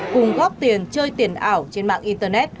cùng góp tiền chơi tiền ảo trên mạng